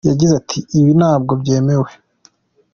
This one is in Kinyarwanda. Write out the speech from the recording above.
Yagize ati “ Ibi ntabwo byemewe.